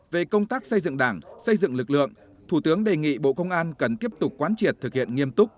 về công tác xây dựng đảng xây dựng lực lượng thủ tướng đề nghị bộ công an cần tiếp tục quán triệt thực hiện nghiêm túc